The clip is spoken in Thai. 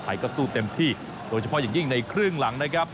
ก็สู้เต็มที่โดยเฉพาะอย่างยิ่งในครึ่งหลังนะครับ